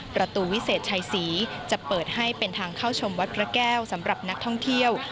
วิเศษชัยศรีจะเปิดให้เป็นทางเข้าชมวัดพระแก้วสำหรับนักท่องเที่ยว